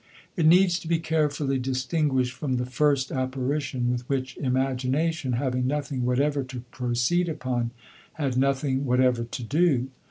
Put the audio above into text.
It needs to be carefully distinguished from the first apparition with which imagination, having nothing whatever to proceed upon, had nothing whatever to do.